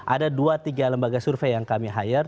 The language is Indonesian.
ada dua tiga lembaga survei yang kami hire